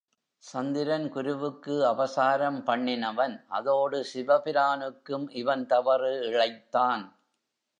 சந்திரன் குருவுக்கு அபசாரம் பண்ணினவன் அதோடு சிவபிரானுக்கும் இவன் தவறு இழைத்தான்.